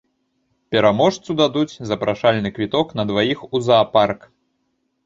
Пераможцу дадуць запрашальны квіток на дваіх у заапарк.